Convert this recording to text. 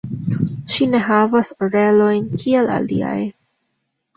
Ŝi ne havas orelojn kiel aliaj.